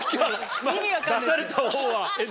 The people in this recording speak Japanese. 出された方は。